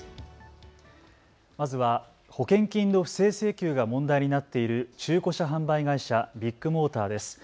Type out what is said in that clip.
まずは保険金の不正請求が問題になっている中古車販売会社ビッグモーターです。